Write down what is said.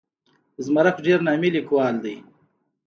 زمرک ډېر نامي لیکوال دی.